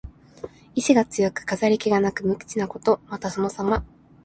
意思が強く、飾り気がなく無口なこと。また、そのさま。